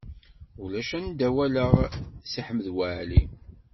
Ulac anda i walaɣ Si Ḥmed Waɛli.